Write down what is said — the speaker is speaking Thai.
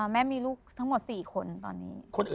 แม่มีลูกทั้งหมด๔คนตอนนี้